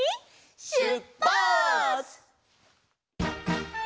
しゅっぱつ！